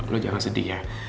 lo jangan sedih ya